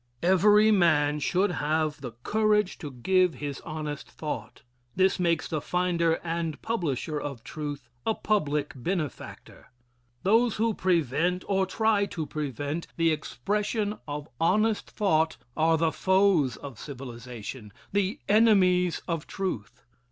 Every man should have the courage to give his honest thought. This makes the finder and publisher of truth a public benefactor. Those who prevent, or try to prevent, the expression of honest thought, are the foes of civilization the enemies of truth.